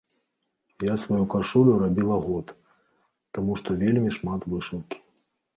Я сваю кашулю рабіла год, таму што вельмі шмат вышыўкі.